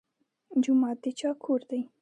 جومات د چا کور دی؟